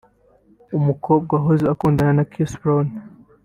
umukobwa wahoze akundana na Chris Brown